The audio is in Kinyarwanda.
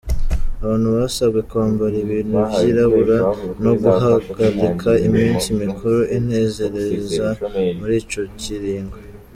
Abantu basabwe kwambara ibintu vyirabura, no guhagarika imisi mikuru inezereza muri ico kiringo.